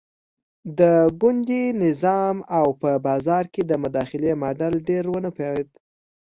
ګوندي نظام او په بازار کې د مداخلې ماډل ډېر ونه پایېد.